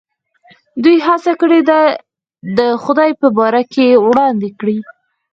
دوی هڅه کړې ده د خدای په باره کې وړاندې کړي.